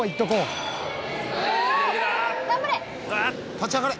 「立ち上がれ！」